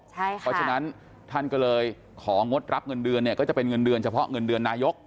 เพราะฉะนั้นท่านก็เลยของงดรับเงินเดือนเนี่ยก็จะเป็นเงินเดือนเฉพาะเงินเดือนนายก